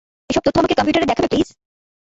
এসব তথ্য আমাকে কম্পিউটারে দেখাবে প্লিজ?